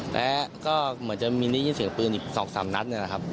และก็เหมือนจะมีนี้ยินเสียงปืนอีก๒๓นัท